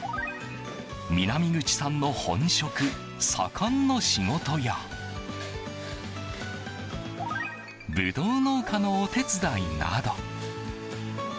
南口さんの本職、左官の仕事やブドウ農家のお手伝いなど。